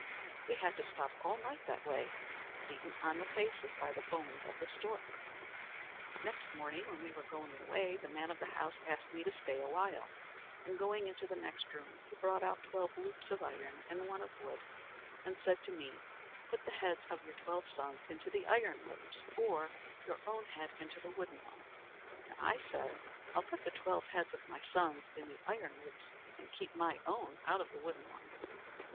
"We had to stop all night that way, beaten on the faces by the bones of the stork. "Next morning, when we were going away, the man of the house asked me to stay a while; and going into the next room, he brought out twelve loops of iron and one of wood, and said to me: 'Put the heads of your twelve sons into the iron loops, or your own head into the wooden one'; and I said: 'I'll put the twelve heads of my sons in the iron loops, and keep my own out of the wooden one.'